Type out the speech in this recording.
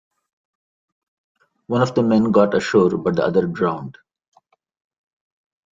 One of the men got ashore but the other drowned.